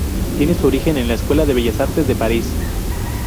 Tiene su origen en la "Escuela de Bellas Artes" de París.